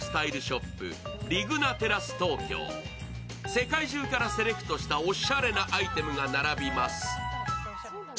世界中からセレクトしたおしゃれなアイテムが並びます。